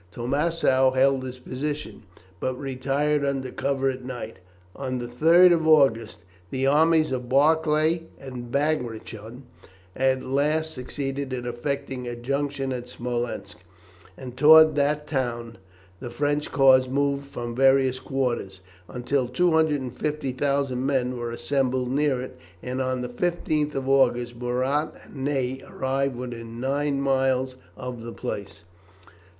Tormanssow held his position, but retired under cover of night. On the 3rd of August the armies of Barclay and Bagration at last succeeded in effecting a junction at Smolensk, and towards that town the French corps moved from various quarters, until 250,000 men were assembled near it, and on the 15th of August, Murat and Ney arrived within nine miles of the place.